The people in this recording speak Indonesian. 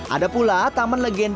ada pula taman legenda